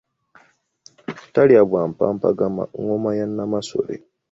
Talya bwa mpampagama, ngoma ya Namasole.